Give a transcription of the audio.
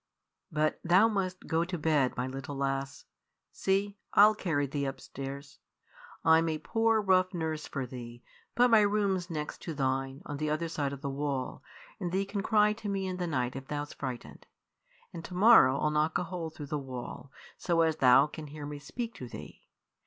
But thou must go to bed, my little lass. See! I'll carry thee upstairs. I'm a poor, rough nurse for thee, but my room's next to thine, on the other side o' the wall, and thee can cry to me i' th' night if thou 's frightened. And to morrow I'll knock a hole through the wall, so as thou can hear me speak to thee.